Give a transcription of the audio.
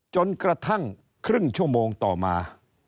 จนกระทั่งครึ่งชั่วโมงต่อมา